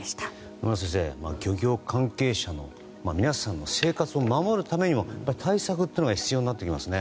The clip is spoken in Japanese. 野村さん漁業関係者の皆さんの生活を守るためにも、対策というのが必要になってきますね。